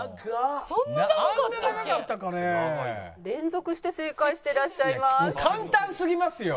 連続して正解していらっしゃいます。